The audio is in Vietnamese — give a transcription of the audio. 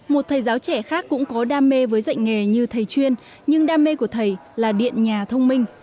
một thầy giáo trẻ khác cũng có đam mê với dạy nghề như thầy chuyên nhưng đam mê của thầy là điện nhà thông minh